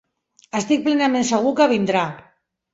Estic plenament segur que vindrà.